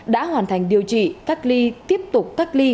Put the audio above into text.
đã hoàn thành điều trị cách ly tiếp tục cách ly